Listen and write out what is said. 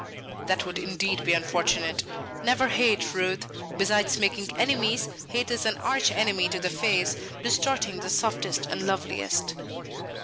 "That would indeed be unfortunate. Never hate, Ruth; besides making enemies, hate is an arch enemy to the face, distorting the softest and loveliest."